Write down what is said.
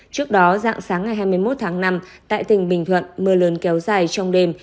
trước đó dạng sáng ngày hai mươi một tháng năm tại tỉnh bình thuận mưa lớn kéo dài trong đêm